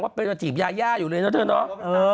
ว่าไปกดจีบยาอยู่เลยเองนะเธอเนาะ